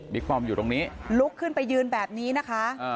ป้อมอยู่ตรงนี้ลุกขึ้นไปยืนแบบนี้นะคะ